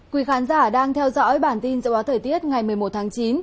quý khán giả đang theo dõi bản tin dự báo thời tiết ngày một mươi một tháng chín